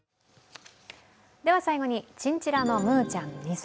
最後にチンチラのムーちゃん２歳。